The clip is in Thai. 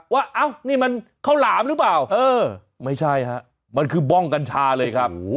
เอ้านี่มันข้าวหลามหรือเปล่าเออไม่ใช่ฮะมันคือบ้องกัญชาเลยครับ